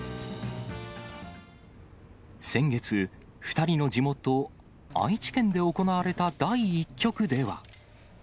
先月、２人の地元、愛知県で行われた第１局では。